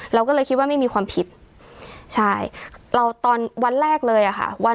เราก็เลยคิดว่าไม่มีความผิดใช่เราตอนวันแรกเลยอะค่ะวัน